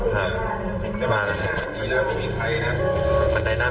ข้างในข้าง